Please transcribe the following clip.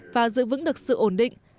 và giữ vững được sự ổn định